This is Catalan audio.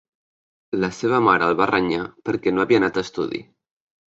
La seva mare el va renyar perquè no havia anat a estudi.